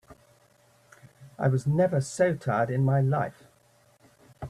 I was never so tired in my life.